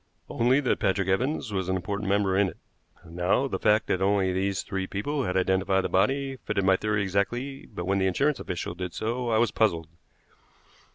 "Only that Patrick Evans was an important member in it. Now the fact that only these three people had identified the body fitted my theory exactly; but when the insurance official did so, I was puzzled.